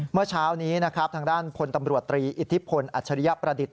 เมื่อเช้านี้นะครับทางด้านพลตำรวจตรีอิทธิพลอัจฉริยประดิษฐ